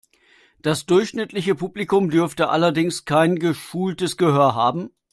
Das durchschnittliche Publikum dürfte allerdings kein geschultes Gehör haben.